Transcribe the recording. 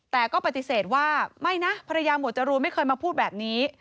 แต่ก็ปฏิเสธว่าไม่นะภรรยาหมวดจรูนไม่เคยมาพูดแบบนี้